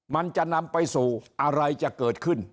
มันจะนำไปสู่อะไรจะเกิดขึ้น